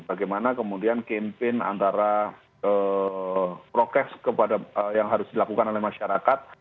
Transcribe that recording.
bagaimana kemudian campaign antara prokes yang harus dilakukan oleh masyarakat